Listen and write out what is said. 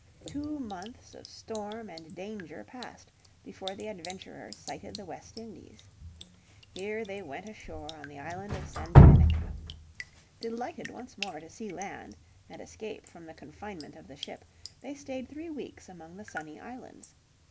Two months of storm and danger passed before the adventurers sighted the West Indies. Here they went ashore on the island of San Dominica. Delighted once more to see land and escape from the confinement of the ship, they stayed three weeks among the sunny islands.